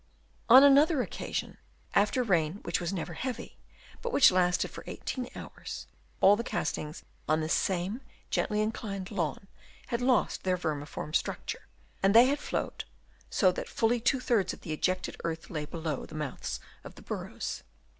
On another occasion, after rain which was never heavy, but which lasted for 18 hours, all the castings on this same gently inclined lawn had lost their vermiform structure ; and they had flowed, so that fully two thirds of the ejected earth lay below the mouths of the burrows.